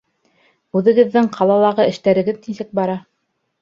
Үҙегеҙҙең ҡалалағы эштәрегеҙ нисек бара?